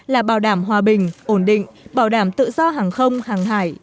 là bảo đảm hòa bình ổn định bảo đảm tự do hàng không hàng hải